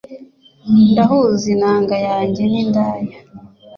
ndahuza inanga yanjye nindaya,